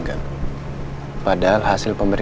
gak ada siapa neng